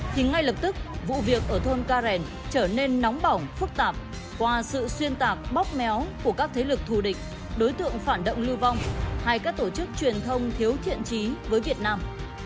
thì ngay lập tức vụ việc ở thôn karen trở nên nóng bỏng phức tạp qua sự xuyên tạc bóp méo của các thế lực thù địch đối tượng phản động lưu vong hay các tổ chức truyền thông thiếu thiện trí với việt nam